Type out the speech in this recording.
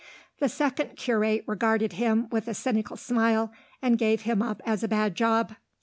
The second curate regarded him with a cynical smile, and gave him up as a bad job.